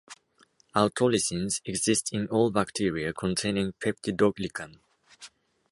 Autolysins exist in all bacteria containing peptidoglycan.